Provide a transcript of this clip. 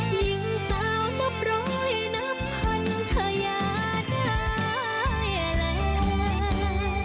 ยิ่งสาวนับร้อยนับพันธุ์เธออย่าได้เลย